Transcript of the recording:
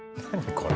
これ。